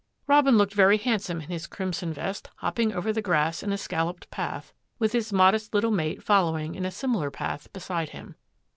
Robin looked very handsome in his crimson vest, hopping over the grass in a scalloped path, with his modest little mate following in a similar path beside him.